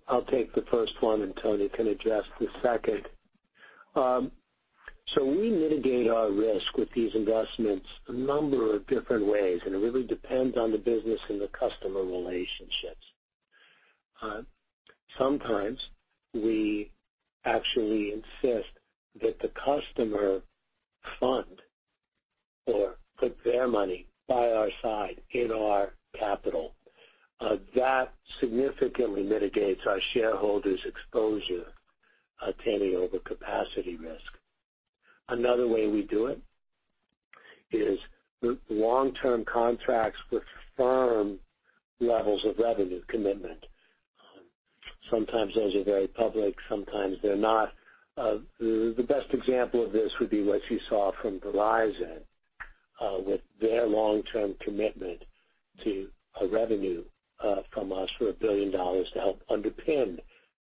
I'll take the first one, and Tony can address the second. We mitigate our risk with these investments a number of different ways, and it really depends on the business and the customer relationships. Sometimes we actually insist that the customer fund or put their money by our side in our capital. That significantly mitigates our shareholders' exposure to any overcapacity risk. Another way we do it is with long-term contracts with firm levels of revenue commitment. Sometimes those are very public, sometimes they're not. The best example of this would be what you saw from Verizon, with their long-term commitment to a revenue from us for $1 billion to help underpin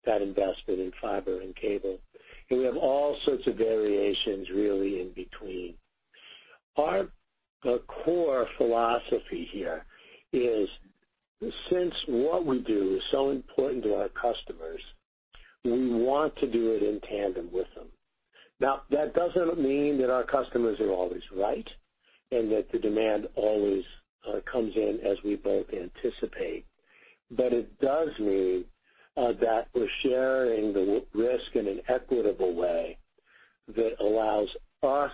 that investment in fiber and cable. We have all sorts of variations really in between. Our core philosophy here is, since what we do is so important to our customers, we want to do it in tandem with them. Now, that doesn't mean that our customers are always right and that the demand always comes in as we both anticipate. It does mean that we're sharing the risk in an equitable way that allows us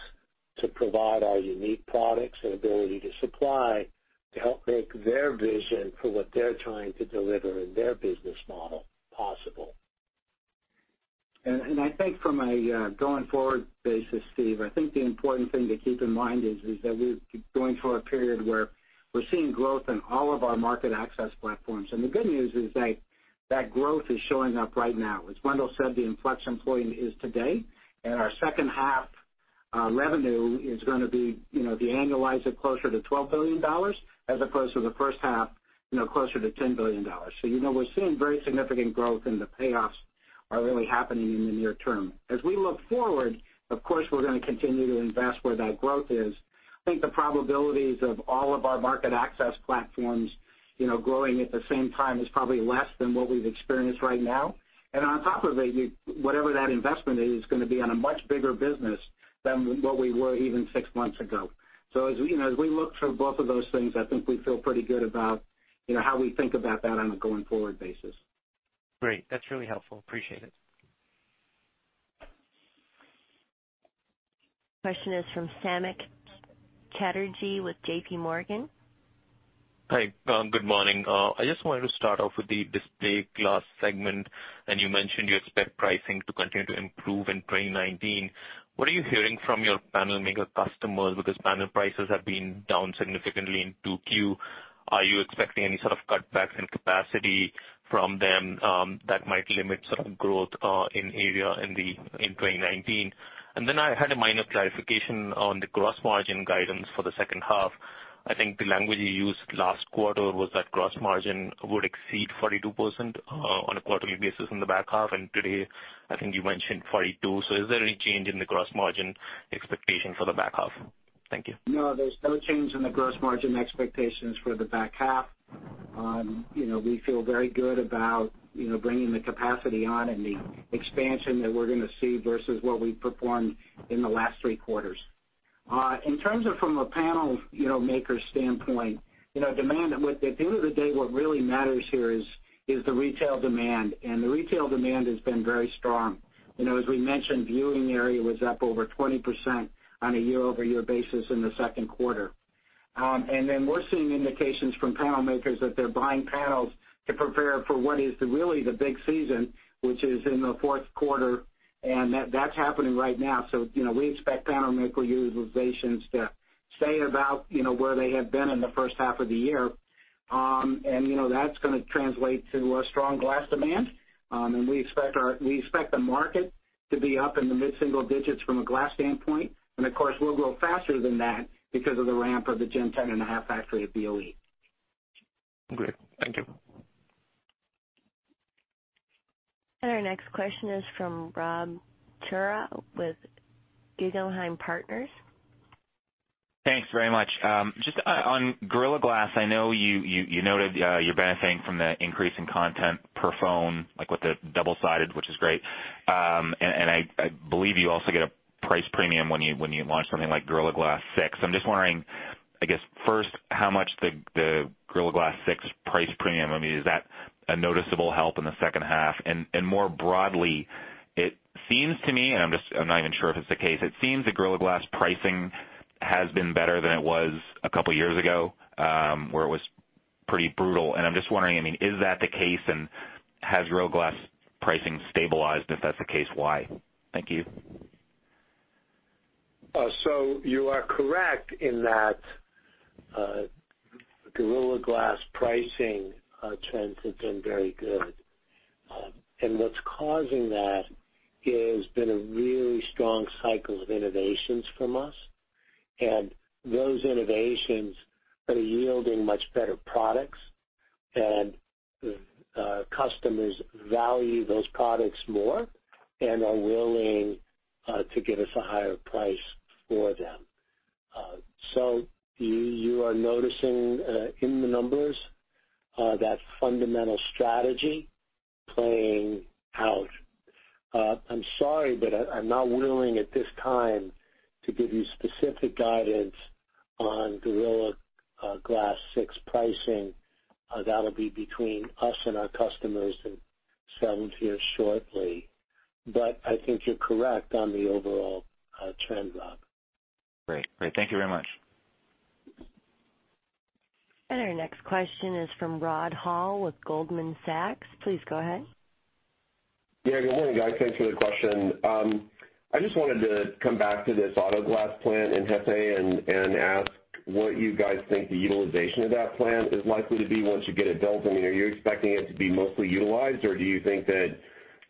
to provide our unique products and ability to supply, to help make their vision for what they're trying to deliver in their business model possible. I think from a going forward basis, Steve, I think the important thing to keep in mind is that we're going through a period where we're seeing growth in all of our market access platforms. The good news is that that growth is showing up right now. As Wendell said, the inflection point is today, and our second-half revenue is going to be annualized at closer to $12 billion as opposed to the first half closer to $10 billion. We're seeing very significant growth, and the payoffs are really happening in the near term. As we look forward, of course, we're going to continue to invest where that growth is. I think the probabilities of all of our market access platforms growing at the same time is probably less than what we've experienced right now. On top of it, whatever that investment is, it's going to be on a much bigger business than what we were even six months ago. As we look through both of those things, I think we feel pretty good about how we think about that on a going-forward basis. Great. That's really helpful. Appreciate it. Question is from Samik Chatterjee with JPMorgan. Hi. Good morning. I just wanted to start off with the display glass segment, and you mentioned you expect pricing to continue to improve in 2019. What are you hearing from your panel maker customers because panel prices have been down significantly in 2Q? Are you expecting any sort of cutbacks in capacity from them that might limit sort of growth in area in 2019? Then I had a minor clarification on the gross margin guidance for the second half. I think the language you used last quarter was that gross margin would exceed 42% on a quarterly basis in the back half. Today, I think you mentioned 42%. Is there any change in the gross margin expectation for the back half? Thank you. No, there's no change in the gross margin expectations for the back half. We feel very good about bringing the capacity on and the expansion that we're going to see versus what we've performed in the last three quarters. In terms of from a panel maker standpoint, at the end of the day, what really matters here is the retail demand, and the retail demand has been very strong. As we mentioned, viewing area was up over 20% on a year-over-year basis in the second quarter. We're seeing indications from panel makers that they're buying panels to prepare for what is really the big season, which is in the fourth quarter, and that's happening right now. We expect panel maker utilizations to stay about where they have been in the first half of the year. That's going to translate to a strong glass demand. We expect the market to be up in the mid-single digits from a glass standpoint. Of course, we'll grow faster than that because of the ramp of the Gen 10.5 factory at BOE. Great. Thank you. Our next question is from Rob Cihra with Guggenheim Partners. Thanks very much. Just on Gorilla Glass, I know you noted you're benefiting from the increase in content per phone, like with the double-sided, which is great. I believe you also get a price premium when you launch something like Gorilla Glass 6. I'm just wondering, I guess, first, how much the Gorilla Glass 6 price premium, I mean, is that a noticeable help in the second half? More broadly, it seems to me, and I'm not even sure if it's the case. It seems that Gorilla Glass pricing has been better than it was a couple of years ago, where it was pretty brutal, and I'm just wondering, I mean, is that the case, and has Gorilla Glass pricing stabilized? If that's the case, why? Thank you. You are correct in that Gorilla Glass pricing trend has been very good. What's causing that is been a really strong cycle of innovations from us, and those innovations are yielding much better products. Customers value those products more and are willing to give us a higher price for them. You are noticing in the numbers, that fundamental strategy playing out. I'm sorry, but I'm not willing at this time to give you specific guidance on Gorilla Glass 6 pricing. That'll be between us and our customers, and shown to you shortly. I think you're correct on the overall trend, Rob. Great. Thank you very much. Our next question is from Rod Hall with Goldman Sachs. Please go ahead. Good morning, guys. Thanks for the question. I just wanted to come back to this auto glass plant in Hefei and ask what you guys think the utilization of that plant is likely to be once you get it built. I mean, are you expecting it to be mostly utilized, or do you think that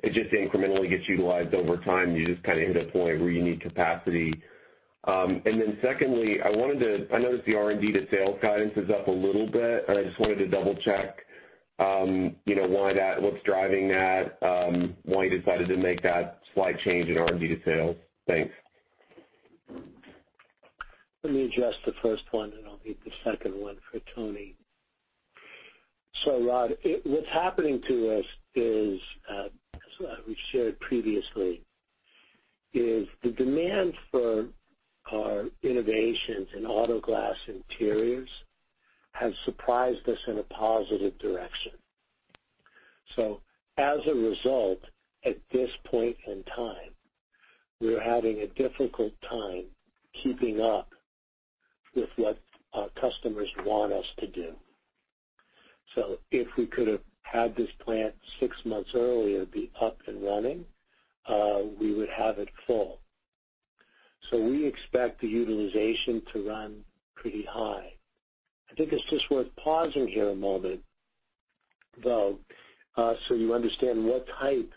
it just incrementally gets utilized over time, and you just kind of hit a point where you need capacity? Then secondly, I noticed the R&D to sales guidance is up a little bit. I just wanted to double check what's driving that, why you decided to make that slight change in R&D to sales. Thanks. Let me address the first one. I'll leave the second one for Tony Tripeny. Rod Hall, what's happening to us is, as we've shared previously, is the demand for our innovations in auto glass interiors has surprised us in a positive direction. As a result, at this point in time, we're having a difficult time keeping up with what our customers want us to do. If we could have had this plant six months earlier be up and running, we would have it full. We expect the utilization to run pretty high. I think it's just worth pausing here a moment, though, so you understand what type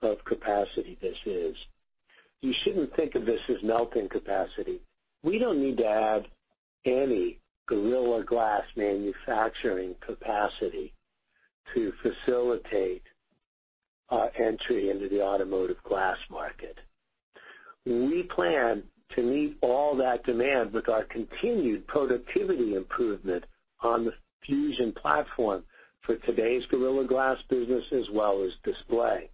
of capacity this is. You shouldn't think of this as melting capacity. We don't need to add any Corning Gorilla Glass manufacturing capacity to facilitate our entry into the automotive glass market. We plan to meet all that demand with our continued productivity improvement on the fusion platform for today's Corning Gorilla Glass business as well as display.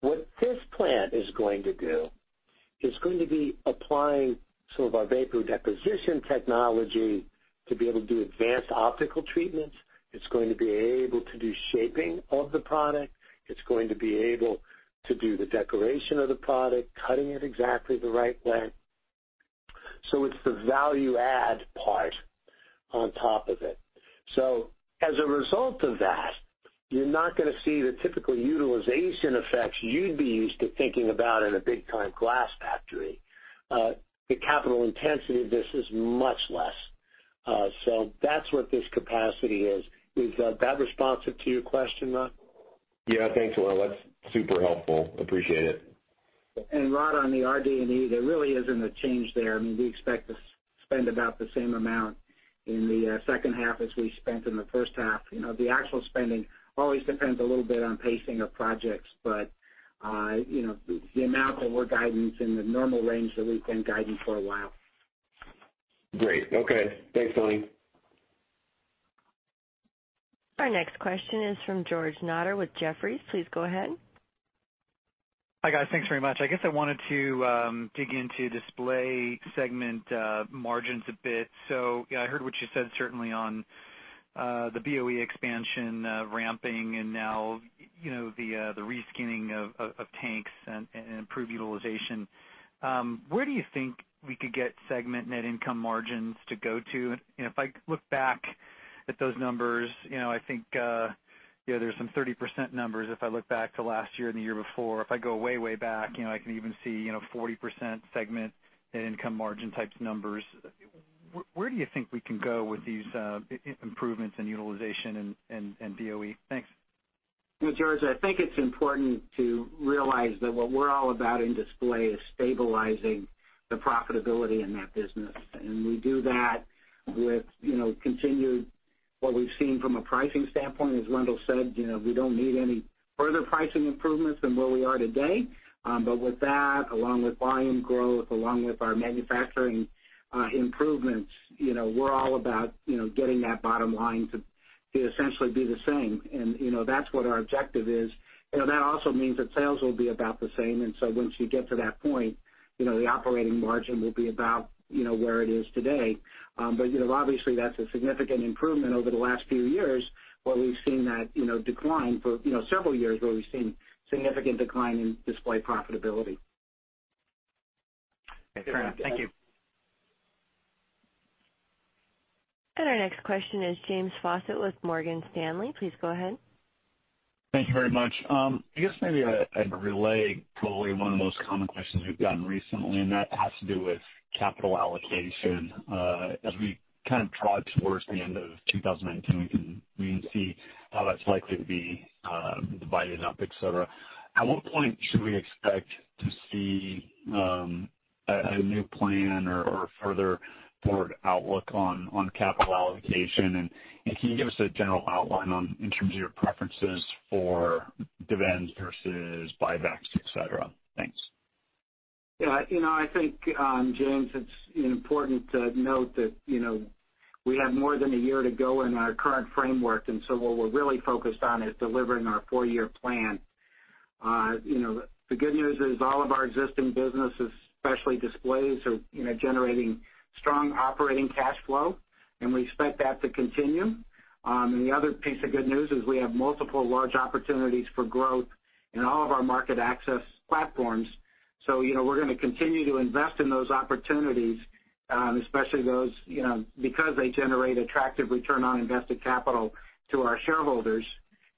What this plant is going to do is going to be applying some of our vapor deposition technology to be able to do advanced optical treatments. It's going to be able to do shaping of the product. It's going to be able to do the decoration of the product, cutting it exactly the right way. It's the value add part on top of it. As a result of that, you're not going to see the typical utilization effects you'd be used to thinking about in a big-time glass factory. The capital intensity of this is much less. That's what this capacity is. Is that responsive to your question, Rod Hall? Thanks, Wendell P. Weeks. That's super helpful. Appreciate it. Rod, on the RD&E, there really isn't a change there. I mean, we expect to spend about the same amount in the second half as we spent in the first half. The actual spending always depends a little bit on pacing of projects, but the amount that we're guiding is in the normal range that we've been guiding for a while. Great. Okay. Thanks, Tony. Our next question is from George Notter with Jefferies. Please go ahead. Hi, guys. Thanks very much. I guess I wanted to dig into display segment margins a bit. Yeah, I heard what you said certainly on the BOE expansion ramping and now the reskinning of tanks and improved utilization. Where do you think we could get segment net income margins to go to? If I look back at those numbers, I think there's some 30% numbers if I look back to last year and the year before. If I go way back, I can even see 40% segment net income margin type numbers. Where do you think we can go with these improvements in utilization and BOE? Thanks. Well, George, I think it's important to realize that what we're all about in Display is stabilizing the profitability in that business. We do that with continued What we've seen from a pricing standpoint, as Wendell said, we don't need any further pricing improvements than where we are today. With that, along with volume growth, along with our manufacturing improvements, we're all about getting that bottom line to essentially be the same. That's what our objective is. That also means that sales will be about the same, once you get to that point, the operating margin will be about where it is today. Obviously, that's a significant improvement over the last few years, where we've seen that decline for several years, where we've seen significant decline in Display profitability. Great. Thank you. Our next question is James Faucette with Morgan Stanley. Please go ahead. Thank you very much. I guess maybe I'd relay probably one of the most common questions we've gotten recently, and that has to do with capital allocation. As we kind of trod towards the end of 2019, we can see how that's likely to be divided up, et cetera. At what point should we expect to see a new plan or further forward outlook on capital allocation? Can you give us a general outline in terms of your preferences for dividends versus buybacks, et cetera? Thanks. Yeah. I think, James, it's important to note that we have more than a year to go in our current framework. What we're really focused on is delivering our four-year plan. The good news is all of our existing businesses, especially Displays, are generating strong operating cash flow. We expect that to continue. The other piece of good news is we have multiple large opportunities for growth in all of our market access platforms. We're going to continue to invest in those opportunities, especially those because they generate attractive return on invested capital to our shareholders.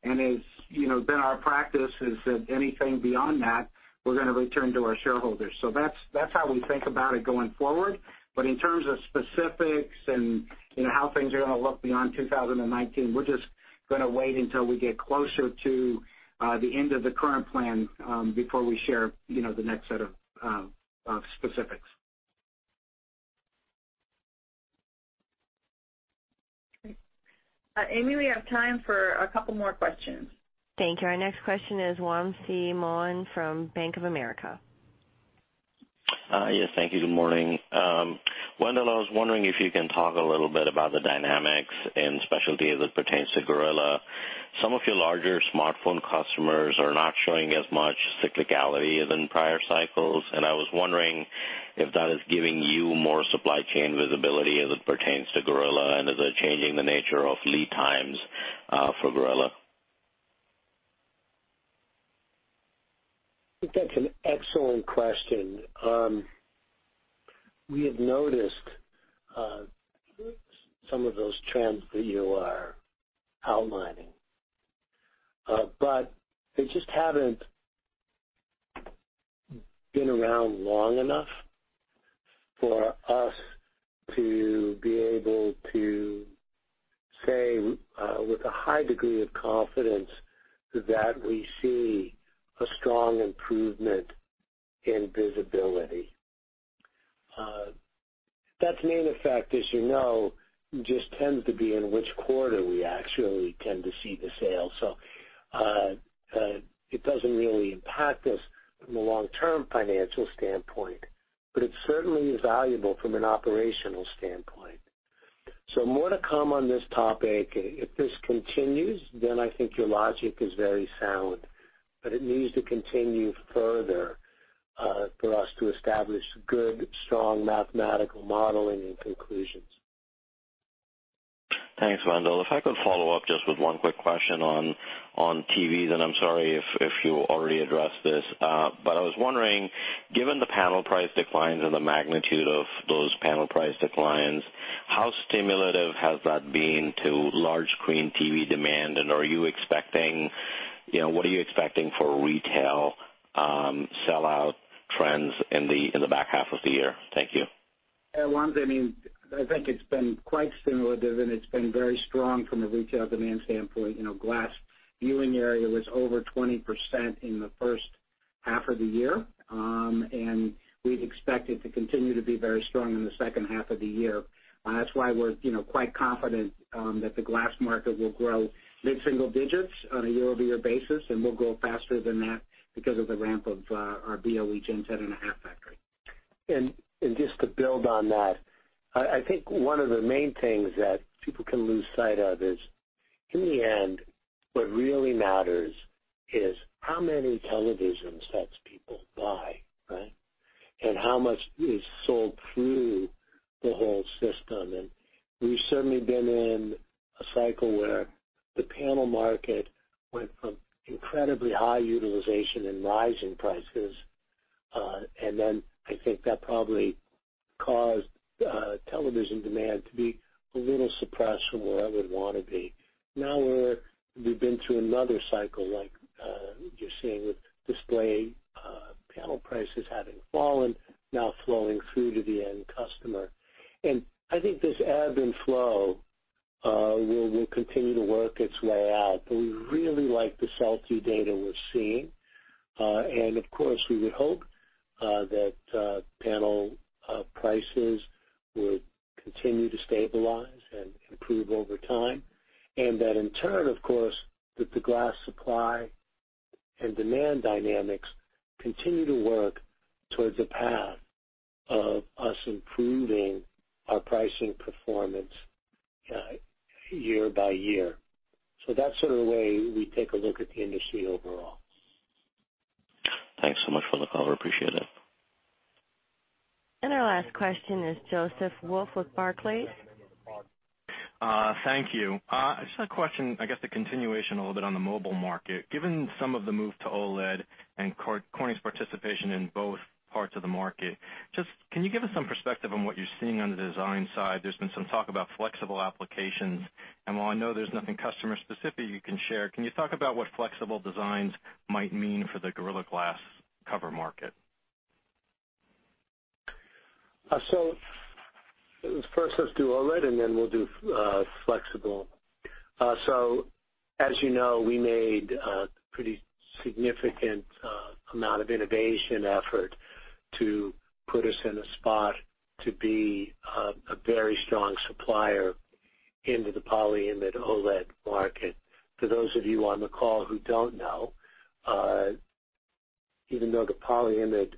It's been our practice is that anything beyond that, we're going to return to our shareholders. That's how we think about it going forward. In terms of specifics and how things are going to look beyond 2019, we're just going to wait until we get closer to the end of the current plan, before we share the next set of specifics. Great. Ann, we have time for a couple more questions. Thank you. Our next question is Wamsi Mohan from Bank of America. Yes, thank you. Good morning. Wendell, I was wondering if you can talk a little bit about the dynamics in Specialty as it pertains to Gorilla. Some of your larger smartphone customers are not showing as much cyclicality as in prior cycles. I was wondering if that is giving you more supply chain visibility as it pertains to Gorilla. Is it changing the nature of lead times for Gorilla? I think that's an excellent question. We have noticed some of those trends that you are outlining. They just haven't been around long enough for us to be able to say with a high degree of confidence that we see a strong improvement in visibility. That's the main effect, as you know, just tends to be in which quarter we actually tend to see the sale. It doesn't really impact us from a long-term financial standpoint, but it certainly is valuable from an operational standpoint. More to come on this topic. If this continues, then I think your logic is very sound. It needs to continue further, for us to establish good, strong mathematical modeling and conclusions. Thanks, Wendell. If I could follow up just with one quick question on TVs, I'm sorry if you already addressed this. I was wondering, given the panel price declines and the magnitude of those panel price declines, how stimulative has that been to large screen TV demand? What are you expecting for retail sellout trends in the back half of the year? Thank you. Yeah, Wamsi, I think it's been quite stimulative, it's been very strong from a retail demand standpoint. Glass viewing area was over 20% in the first half of the year, we expect it to continue to be very strong in the second half of the year. That's why we're quite confident that the glass market will grow mid-single digits on a year-over-year basis, will grow faster than that because of the ramp of our BOE Gen 10.5 factory. Just to build on that, I think one of the main things that people can lose sight of is, in the end, what really matters is how many television sets people buy, right? How much is sold through the whole system. We've certainly been in a cycle where the panel market went from incredibly high utilization and rising prices, then I think that probably caused television demand to be a little suppressed from where it would want to be. Now, we've been through another cycle, like you're seeing with display panel prices having fallen, now flowing through to the end customer. I think this ebb and flow will continue to work its way out. We really like the sell-through data we're seeing. Of course, panel prices will continue to stabilize and improve over time, and that in turn, of course, that the glass supply and demand dynamics continue to work towards a path of us improving our pricing performance year by year. That's sort of the way we take a look at the industry overall. Thanks so much for the call. Appreciate it. Our last question is Joseph Wolf with Barclays. Thank you. Just a question, I guess, a continuation a little bit on the mobile market. Given some of the move to OLED and Corning's participation in both parts of the market, just can you give us some perspective on what you're seeing on the design side? There's been some talk about flexible applications, and while I know there's nothing customer specific you can share, can you talk about what flexible designs might mean for the Gorilla Glass cover market? First let's do OLED, then we'll do flexible. As you know, we made a pretty significant amount of innovation effort to put us in a spot to be a very strong supplier into the polyimide OLED market. For those of you on the call who don't know, even though the polyimide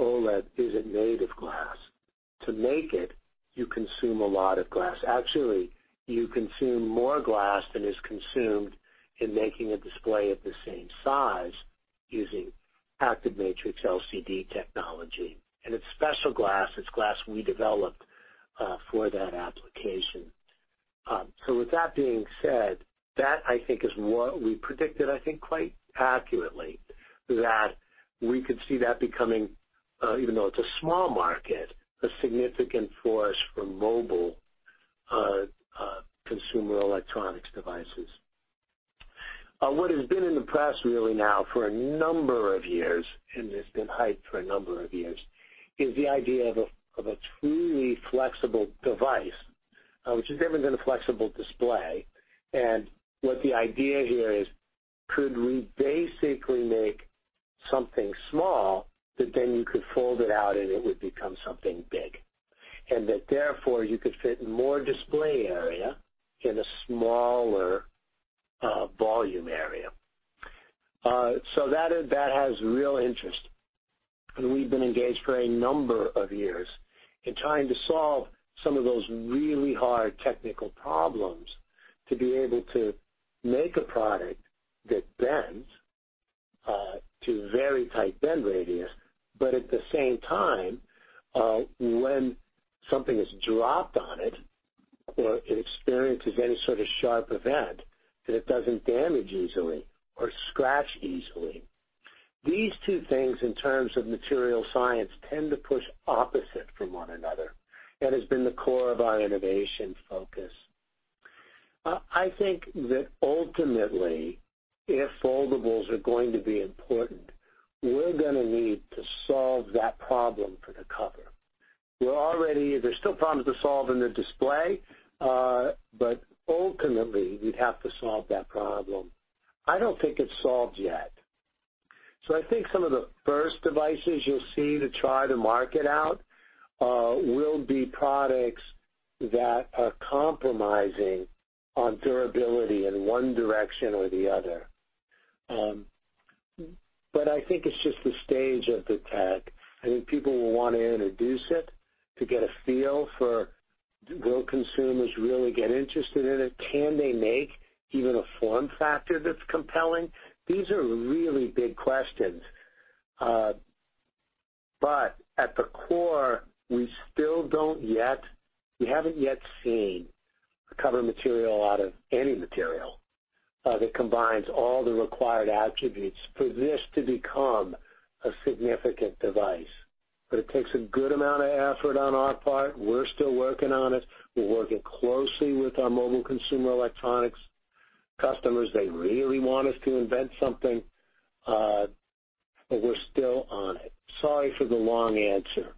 OLED isn't made of glass, to make it, you consume a lot of glass. Actually, you consume more glass than is consumed in making a display of the same size using active matrix LCD technology. It's special glass. It's glass we developed for that application. With that being said, that I think is what we predicted, I think, quite accurately, that we could see that becoming, even though it's a small market, a significant force for mobile consumer electronics devices. What has been in the press really now for a number of years, it's been hyped for a number of years, is the idea of a truly flexible device, which is different than a flexible display. What the idea here is, could we basically make something small that then you could fold it out and it would become something big, and that therefore you could fit more display area in a smaller volume area. That has real interest. We've been engaged for a number of years in trying to solve some of those really hard technical problems to be able to make a product that bends to very tight bend radius, but at the same time, when something is dropped on it or it experiences any sort of sharp event, that it doesn't damage easily or scratch easily. These two things, in terms of material science, tend to push opposite from one another. That has been the core of our innovation focus. I think that ultimately, if foldables are going to be important, we're going to need to solve that problem for the cover. There's still problems to solve in the display, but ultimately, we'd have to solve that problem. I don't think it's solved yet. I think some of the first devices you'll see to try to market out will be products that are compromising on durability in one direction or the other. I think it's just the stage of the tech, and people will want to introduce it to get a feel for will consumers really get interested in it? Can they make even a form factor that's compelling? These are really big questions. At the core, we haven't yet seen a cover material out of any material that combines all the required attributes for this to become a significant device. It takes a good amount of effort on our part. We're still working on it. We're working closely with our mobile consumer electronics customers. They really want us to invent something, but we're still on it. Sorry for the long answer.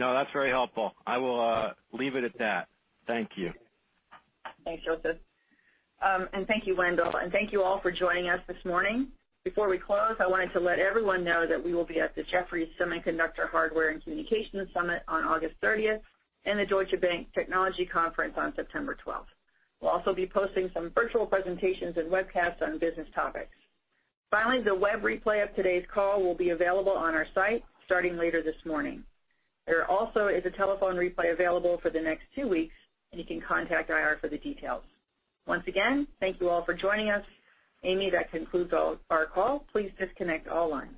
No, that's very helpful. I will leave it at that. Thank you. Thanks, Joseph. Thank you, Wendell. Thank you all for joining us this morning. Before we close, I wanted to let everyone know that we will be at the Jefferies Semiconductor, Hardware, and Communications Summit on August 30th and the Deutsche Bank Technology Conference on September 12th. We'll also be posting some virtual presentations and webcasts on business topics. Finally, the web replay of today's call will be available on our site starting later this morning. There also is a telephone replay available for the next two weeks, and you can contact IR for the details. Once again, thank you all for joining us. Ann, that concludes our call. Please disconnect all lines.